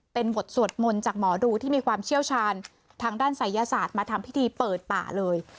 เป็นบทสวดมนต์จากหมอดูที่มีความเชี่ยวชาญทางด้านศัยศาสตร์มาทำพิธีเปิดป่าเลย